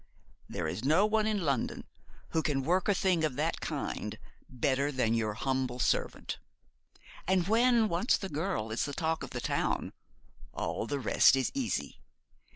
There is no one in London who can work a thing of that kind better than your humble servant. And when once the girl is the talk of the town, all the rest is easy.